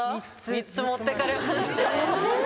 ３つ持ってかれまして。